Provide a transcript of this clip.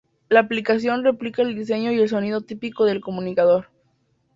La aplicación replica el diseño y el sonido típico del comunicador.